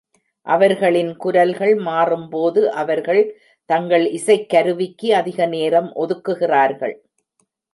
அவர்களின் குரல்கள் மாறும்போது, அவர்கள் தங்கள் இசைக்கருவிக்கு அதிக நேரம் ஒதுக்குகிறார்கள்.